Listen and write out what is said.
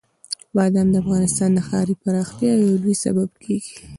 بادام د افغانستان د ښاري پراختیا یو لوی سبب کېږي.